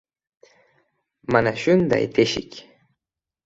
Mana shunday teshik!